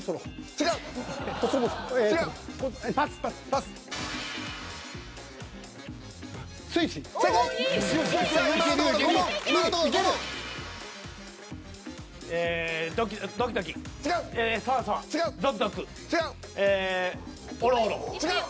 違う。